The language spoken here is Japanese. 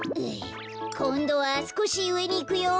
こんどはすこしうえにいくよ。